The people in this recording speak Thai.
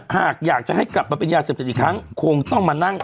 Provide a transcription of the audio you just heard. หากอยากจะให้กลับมาเป็นยาเสพติดอีกครั้งคงต้องมานั่ง